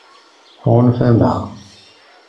Tɣunfam-aɣ?